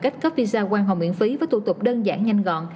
có visa quang hồng miễn phí với thủ tục đơn giản nhanh gọn